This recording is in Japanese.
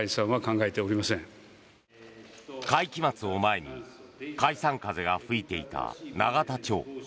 会期末を前に解散風が吹いていた永田町。